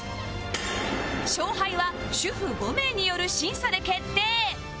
勝敗は主婦５名による審査で決定